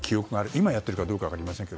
今やっているかどうかは分かりませんが。